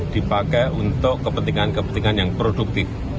dipakai untuk kepentingan kepentingan yang produktif